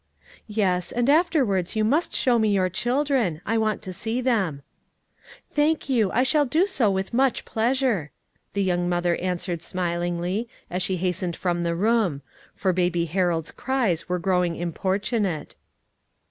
"Yes, and afterwards you must show me your children. I want to see them." "Thank you; I shall do so with much pleasure," the young mother answered smilingly, as she hastened from the room; for Baby Harold's cries were growing importunate.